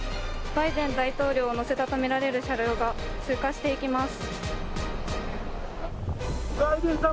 バイデン大統領を乗せたとみられる車両が通過していきます。